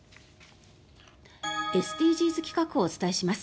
ＳＤＧｓ企画をお伝えします。